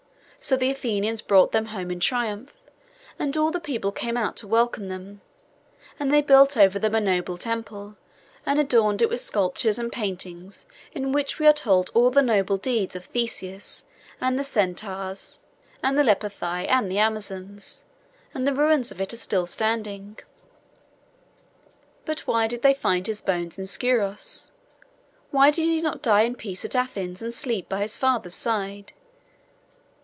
So the Athenians brought them home in triumph; and all the people came out to welcome them; and they built over them a noble temple, and adorned it with sculptures and paintings in which we are told all the noble deeds of Theseus, and the Centaurs, and the Lapithai, and the Amazons; and the ruins of it are standing still. But why did they find his bones in Scuros? Why did he not die in peace at Athens, and sleep by his father's side?